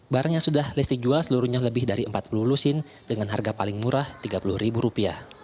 barang yang sudah lesti jual seluruhnya lebih dari empat puluh lusin dengan harga paling murah rp tiga puluh